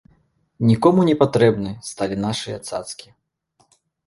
Нікому не патрэбны сталі нашыя цацкі.